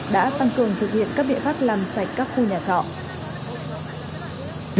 đã tăng cường thực hiện các biện pháp làm sạch các khu nhà trọ